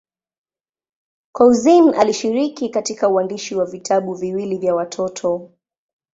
Couzyn alishiriki katika uandishi wa vitabu viwili vya watoto.